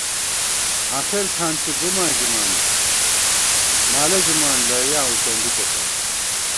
آخېر کھانڅی بُماں ژِمان، مالہ ژِمان لَرِیاں وُڅنڈِکےپت